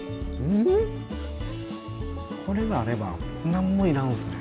これがあれば何も要らないですね。